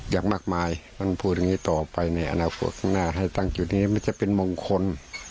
อย่างมากมายท่านพูดอย่างนี้ต่อไปในอนาคตข้างหน้าให้ตั้งจุดนี้มันจะเป็นมงคล